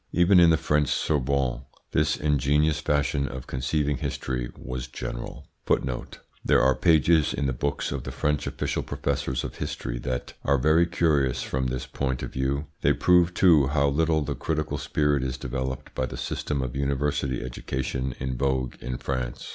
Even in the French Sorbonne this ingenuous fashion of conceiving history was general. There are pages in the books of the French official professors of history that are very curious from this point of view. They prove too how little the critical spirit is developed by the system of university education in vogue in France.